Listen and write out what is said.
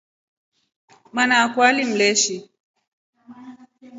Mwanana akwa alimleshi.